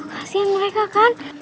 kasian mereka kan